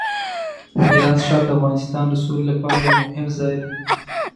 هرات ښار د افغانستان د سولې لپاره یو مهم ځای دی.